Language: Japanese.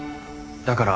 だから。